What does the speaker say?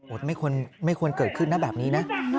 ไม่ควรเกิดขึ้นนะแบบนี้นะ